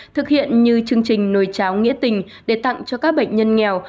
thực hiện như chương trình nồi cháo nghĩa tình để tặng cho các bệnh nhân nghèo